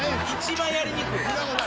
一番やりにくい。